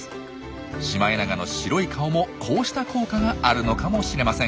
シマエナガの白い顔もこうした効果があるのかもしれません。